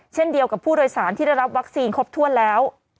เช่นเดียวกับผู้โดยสารที่ได้รับวัคซีนครบถ้วนแล้ว